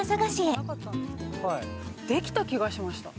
できた気がしました。